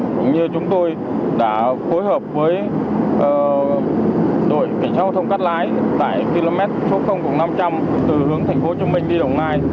cũng như chúng tôi đã phối hợp với đội cảnh sát giao thông cắt lái tại km số năm trăm linh từ hướng tp hcm đi đồng nai